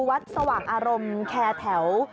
วัดสวัสดิ์อารมณ์แคร์แถว